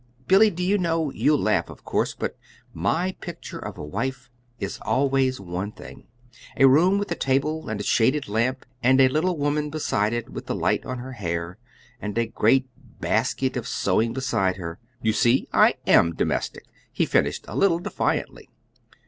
Billy, do you know? You'll laugh, of course, but my picture of a wife is always one thing: a room with a table and a shaded lamp, and a little woman beside it with the light on her hair, and a great, basket of sewing beside her. You see I AM domestic!" he finished a little defiantly.